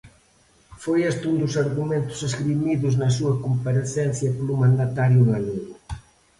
Foi este un dos argumentos esgrimidos na súa comparecencia polo mandatario galego.